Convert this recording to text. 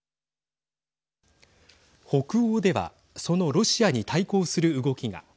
北欧ではそのロシアに対抗する動きが。